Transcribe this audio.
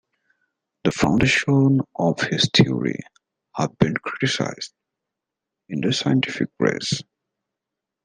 The foundations of his theory have been criticised in the scientific press.